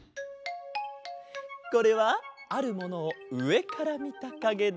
これはあるものをうえからみたかげだ。